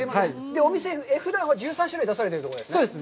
お店、ふだんは１３種類出されてるんですね。